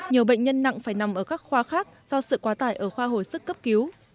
nhiều bệnh nhân nặng phải nằm ở các khoa khác do sự quá tải ở khoa hồi sức cấp cứu